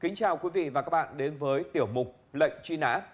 kính chào quý vị và các bạn đến với tiểu mục lệnh truy nã